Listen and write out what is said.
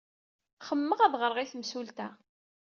Xemmemeɣ ad ɣreɣ i temsulta.